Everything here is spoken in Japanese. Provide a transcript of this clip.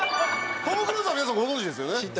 トム・クルーズは皆さんご存じですよね？